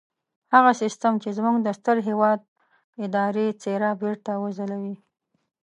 هغه سيستم چې زموږ د ستر هېواد اداري څېره بېرته وځلوي.